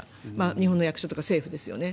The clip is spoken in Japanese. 日本の役所というか政府ですよね。